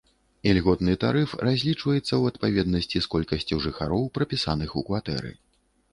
Ільготны тарыф разлічваецца ў адпаведнасці з колькасцю жыхароў, прапісаных у кватэры.